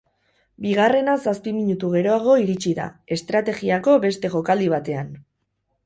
Bigarrena zazpi minutu geroago iritsi da, estrategiako beste jokaldi batean.